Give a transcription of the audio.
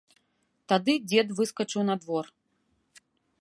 Тады дзед выскачыў на двор.